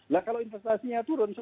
nah kalau investasinya turun